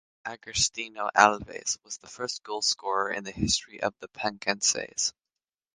Agostinho Alves was the first goal scorer in the history of the "Pacenses".